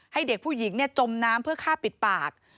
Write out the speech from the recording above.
ให้เด็กผู้หญิงจมน้ำเพื่อฆ่าปิดปาก